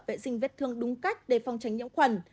vệ sinh vết thương đúng cách để phong tránh nhiễm khuẩn